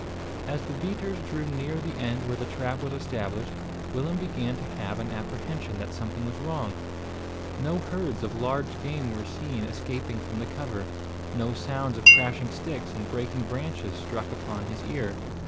As the beaters drew near the end where the trap was established, Willem began to have an apprehension that something was wrong. No herds of large game were seen escaping from the cover. No sounds of crashing sticks and breaking branches struck upon his ear.